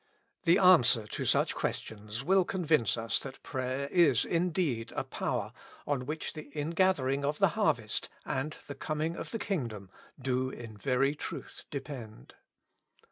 The answer to such questions will convince us that prayer is indeed a power, on which the in gathering of the harvest and the coming of the Kingdom do in very truth depend.